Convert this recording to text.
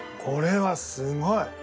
これはすごい！